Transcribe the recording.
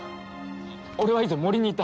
俺は以前森に行った。